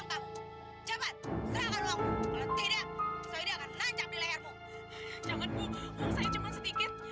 pak terima kasih pak